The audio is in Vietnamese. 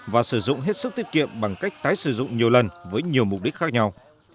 và sử dụng hết sức tiết kiệm bằng cách tái sử dụng nhiều lần với nhiều mục đích khác nhau